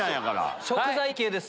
食材系です。